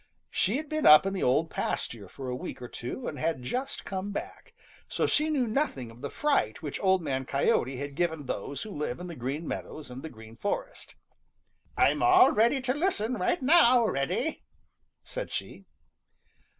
She had been up in the Old Pasture for a week or two and had just come back, so she knew nothing of the fright which Old Man Coyote had given those who live in the Green Meadows and the Green Forest. "I'm already to listen right now, Reddy," said she.